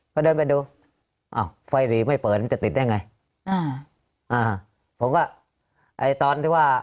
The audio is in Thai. พอเดินไปดูอ้าวไฟหลีไม่เปิดจะติดได้ไงอ่าอ่าผมก็ไอ้ตอนที่ว่า